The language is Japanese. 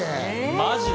マジで？